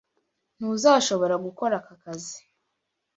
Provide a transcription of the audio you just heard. Ntuzashobora gukora aka kazi.